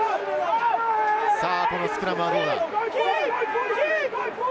このスクラムはどうだ？